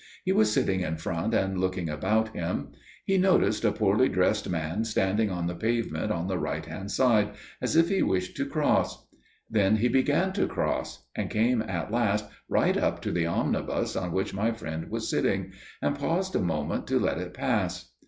He was sitting in front and looking about him. He noticed a poorly dressed man standing on the pavement on the right hand side, as if he wished to cross. Then he began to cross, and came at last right up to the omnibus on which my friend was sitting, and paused a moment to let it pass.